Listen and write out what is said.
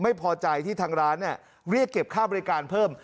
ไม่พอใจที่ทางร้านเรียกเก็บค่าบริการเพิ่ม